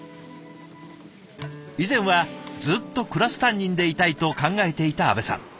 以前はずっとクラス担任でいたいと考えていた安部さん。